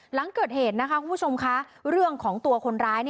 หลังเกิดเหตุนะคะคุณผู้ชมคะเรื่องของตัวคนร้าย